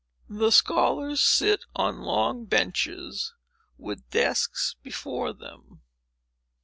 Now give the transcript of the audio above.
The scholars sit on long benches, with desks before them.